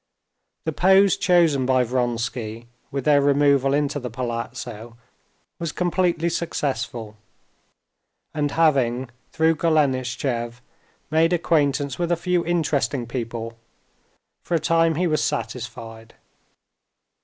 The pose chosen by Vronsky with their removal into the palazzo was completely successful, and having, through Golenishtchev, made acquaintance with a few interesting people, for a time he was satisfied.